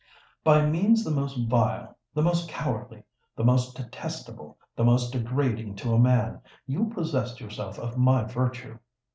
"By means the most vile—the most cowardly—the most detestable—the most degrading to a man, you possessed yourself of my virtue.